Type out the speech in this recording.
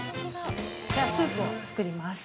じゃあ、スープを作ります。